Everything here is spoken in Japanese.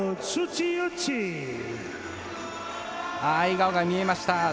笑顔が見えました。